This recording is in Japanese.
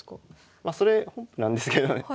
まそれ本譜なんですけどね。